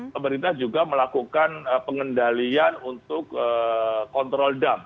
pemerintah juga melakukan pengendalian untuk kontrol dump